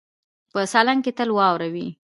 په سالنګ کې تل واوره وي.